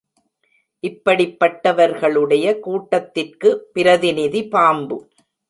இப்படிப்பட்டவர்களுடைய கூட்டத்திற்கு பிரதிநிதி பாம்பு.